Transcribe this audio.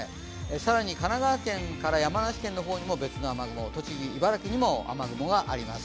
更に神奈川県から山梨県の方に別の雨雲、栃木、茨城にも雨雲があります。